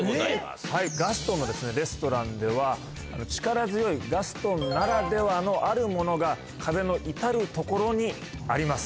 ガストンのレストランでは力強いガストンならではのあるものが壁の至る所にあります。